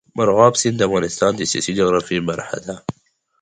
مورغاب سیند د افغانستان د سیاسي جغرافیه برخه ده.